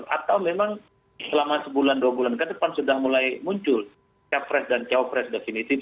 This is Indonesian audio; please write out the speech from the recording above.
atau memang selama sebulan dua bulan ke depan sudah mulai muncul capres dan cawapres definitif